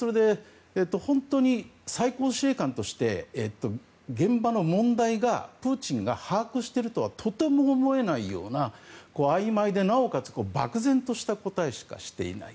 本当に最高司令官として現場の問題をプーチンが把握しているとはとても思えないようなあいまいでなおかつ漠然とした答えしかしていない。